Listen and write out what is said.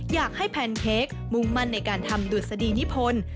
อยากให้แผนเค้กมุ่งมั่นในการทำดูดสดีนิพล